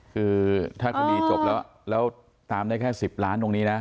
คือถ้าคืนนี้จบแล้วตามได้แค่๑๐ล้านบาทตรงนี้นะ